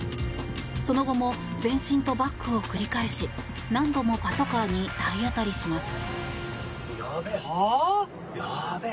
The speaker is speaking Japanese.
その後も前進とバックを繰り返し何度もパトカーに体当たりします。